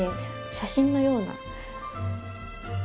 写真のような。